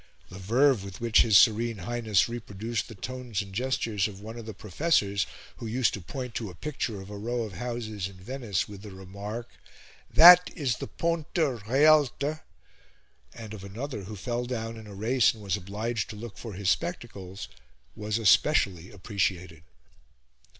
The verve with which his Serene Highness reproduced the tones and gestures of one of the professors who used to point to a picture of a row of houses in Venice with the remark, "That is the Ponte Realte," and of another who fell down in a race and was obliged to look for his spectacles, was especially appreciated.